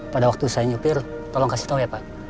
pada waktu saya nyopir tolong kasih tau ya pak